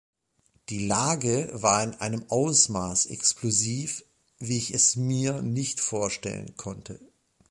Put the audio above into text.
Die Lage war in einem Ausmaß explosiv, wie ich es mir nicht vorstellen konnte.